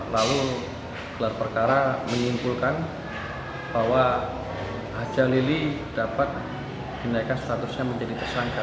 lalu gelar perkara menyimpulkan bahwa aja lili dapat dinaikkan statusnya menjadi tersangka